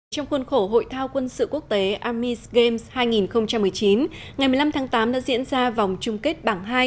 trong khuôn khổ hội thao quân sự quốc tế amis games hai nghìn một mươi chín ngày một mươi năm tháng tám đã diễn ra vòng chung kết bảng hai